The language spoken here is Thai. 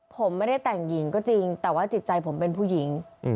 ผมไม่ได้แต่งหญิงก็จริงแต่ว่าจิตใจผมเป็นผู้หญิง